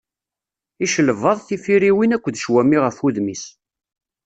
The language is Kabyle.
Icelbaḍ, tifiriwin akked ccwami ɣef wudem-is.